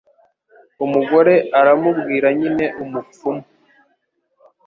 Umugore aramubwira nyine umupfumu